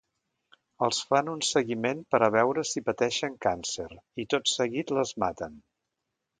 Els fan un seguiment per a veure si pateixen càncer, i tot seguit, les maten.